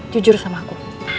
jujur sama aku